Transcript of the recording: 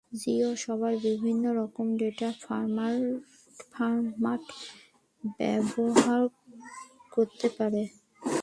Jio server বিভিন্ন রকম data format ব্যবহার করতে পারে।